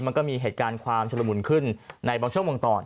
มันก็มีเหตุการณ์ความฉลบุญขึ้นในบางช่องวงตอน